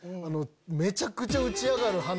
めちゃくちゃ打ち上がる花火見て。